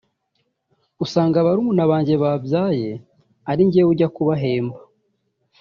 usanga barumuna banjye babyaye ari njyewe ujya kubahemba